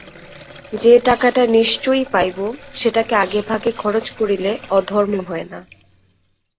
যে টাকাটা নিশ্চয়ই পাইব সেটাকে আগেভাগে খরচ করিলে অধর্ম হয় না।